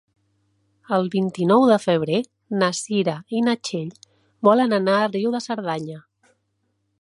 El vint-i-nou de febrer na Cira i na Txell volen anar a Riu de Cerdanya.